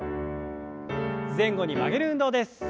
前後に曲げる運動です。